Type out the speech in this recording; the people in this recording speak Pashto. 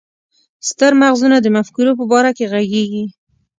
ستر مغزونه د مفکورو په باره کې ږغيږي.